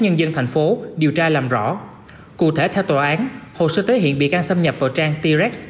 nhân dân tp điều tra làm rõ cụ thể theo tòa án hồ sơ tới hiện bị can xâm nhập vào trang t rex